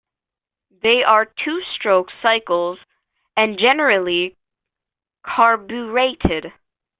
They are two-stroke cycle and generally carbureted.